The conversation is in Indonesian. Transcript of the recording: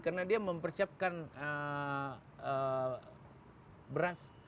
karena dia mempersiapkan beras